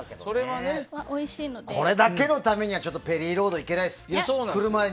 これだけのためにはペリーロード行けないです。